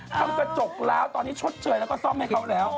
ทำกระจกแล้วตอนนี้ชดเชยแล้วก็ซ่อมให้เขาแล้ว